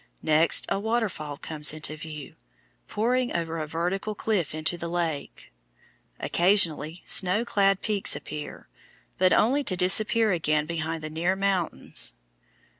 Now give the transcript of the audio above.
Next a waterfall comes into view, pouring over a vertical cliff into the lake. Occasionally snow clad peaks appear, but only to disappear again behind the near mountains.